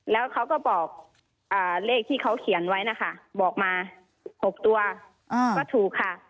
แล้วเขาก็บอกเลขที่เขาเขียนไว้นะคะบอกมา๖ตัวก็ถูกค่ะ